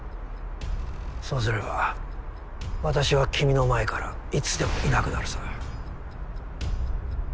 そうすれば私は君の前からいつでもいなくなるさ。